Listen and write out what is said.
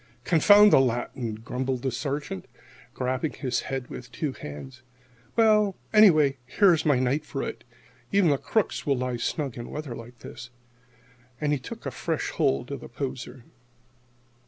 "Confound the Latin!" grumbled the Sergeant, grabbing his head in his two hands. "Well anyway, here's my night for it. Even the crooks will lie snug in weather like this." And he took a fresh hold on the poser.